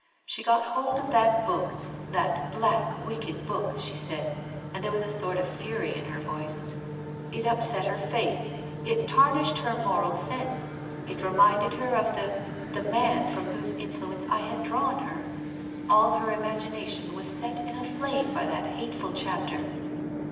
" She got hold of that book — that black, wicked book," she said, and there was a sort of fury in her voice. " It upset her faith. It tarnished her moral sense. It reminded her of the — the man from whose influence I had drawn her. All her imagination was set in a flame by that hateful chapter."